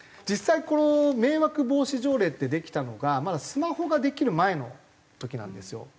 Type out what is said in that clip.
実際この迷惑防止条例ってできたのがまだスマホができる前の時なんですよ。